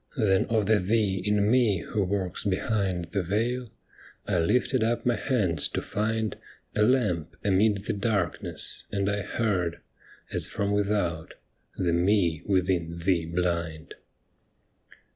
Then of the Thee in Me ivho works behind The Veil, I lifted up my hands to find A lamp amid the Darkness, and I heard. As from ivithout —' The Me within Thee Blind